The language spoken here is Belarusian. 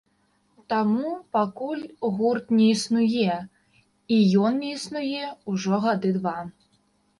Таму пакуль гурт не існуе, і ён не існуе ўжо гады два.